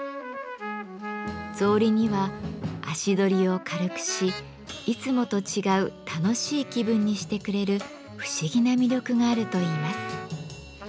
草履には足取りを軽くしいつもと違う楽しい気分にしてくれる不思議な魅力があるといいます。